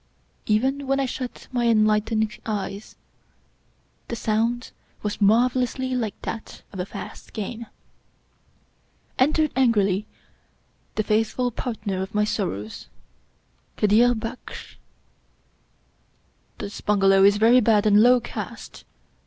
Even when I shut my enlightened eyes the sound was marvelously like that of a fast game. Entered angrily the faithful partner of my sorrows, Kadir Baksh. " This bungalow is very bad and low caste